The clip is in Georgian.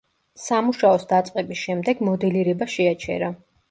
სამუშაოს დაწყების შემდეგ მოდელირება შეაჩერა.